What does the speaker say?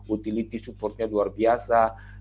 utility supportnya luar biasa